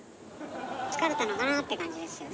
疲れたのかなって感じですよね。